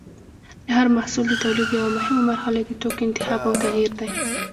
د هر محصول د تولید یوه مهمه مرحله د توکو انتخاب او تغیر دی.